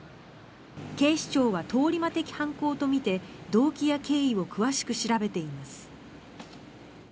警視庁は通り魔的犯行とみて動機や経緯を詳しく調べています。